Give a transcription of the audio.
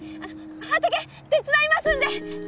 畑手伝いますんで